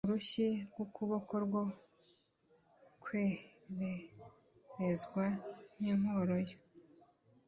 urushyi rw ukuboko rwo kwererezwa n inkoro yo